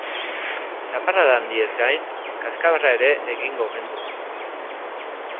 Zaparrada handiez gain, kazkabarra ere egingo omen du.